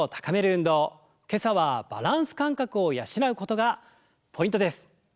今朝はバランス感覚を養うことがポイントです！